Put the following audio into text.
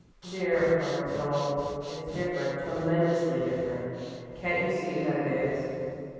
"Dear heart, don't. It's different tremendously different. Can't you see that it is?"